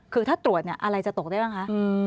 คือถ้าตรวจอะไรจะตกได้ไหมคะ